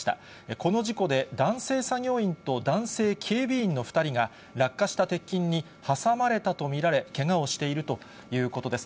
この事故で、男性作業員と男性警備員の２人が、落下した鉄筋に挟まれたと見られ、けがをしているということです。